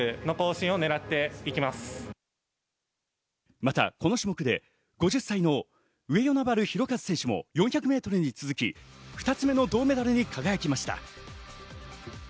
またこの種目で、５０歳の上与那原寛和選手も４００ｍに続き２つ目の銅メダルに輝きました。